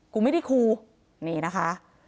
กูไม่ได้ครูนี่นะคะ